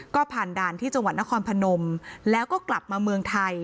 ก็ผ่านด่านที่จังหวัดนครพนมแล้วก็กลับมาเมืองไทย